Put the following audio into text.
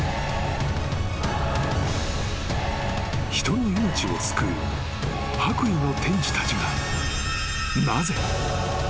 ［人の命を救う白衣の天使たちがなぜ？］